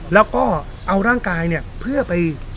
แล้วก็เอาร่างกายเนี่ยเพื่อไป